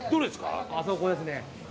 あそこですね。